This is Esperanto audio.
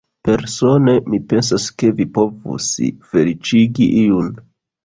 Persone mi pensas, ke vi povus feliĉigi iun.